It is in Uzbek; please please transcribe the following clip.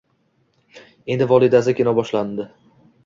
Endi volidasi kino boshlandi